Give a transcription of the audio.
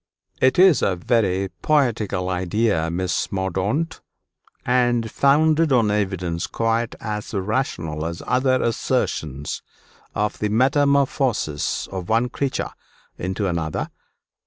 "It is a very poetical idea, Miss Mordaunt, and founded on evidence quite as rational as other assertions of the metamorphosis of one creature into another.